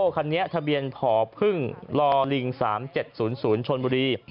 คันนี้ทะเบียนผอพึ่งลอลิง๓๗๐๐ชนบุรี